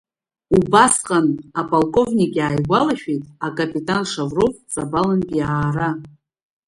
Убасҟан аполковник иааигәалашәеит акапитан Шавров Ҵабалынтә иаара.